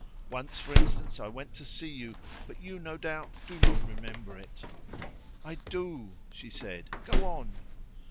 Once, for instance, I went to see you; but you, no doubt, do not remember it." "I do," she said; "go on."